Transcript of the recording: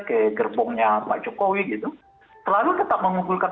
ke gerbongnya pak jokowi gitu selalu tetap mengumpulkan